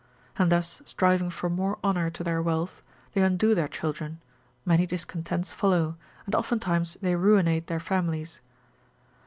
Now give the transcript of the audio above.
And thus striving for more honour to their wealth, they undo their children, many discontents follow, and oftentimes they ruinate their families.